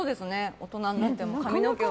大人になっても髪の毛は。